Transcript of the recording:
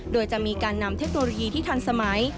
โดยจะมีการนำเทคโนโลยีที่ทันสมัย